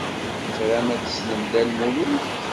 Tram ad tessnem Dda Lmulud?